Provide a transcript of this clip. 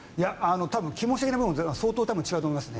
気持ち的な部分は相当違うと思います。